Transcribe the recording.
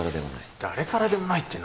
誰からでもない。